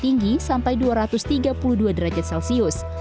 tinggi sampai dua ratus tiga puluh dua derajat celcius